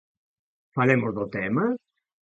Falemos do tema.